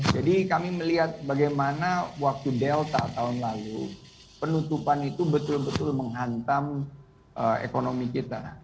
jadi kami melihat bagaimana waktu delta tahun lalu penutupan itu betul betul berubah